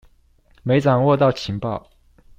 沒掌握到情報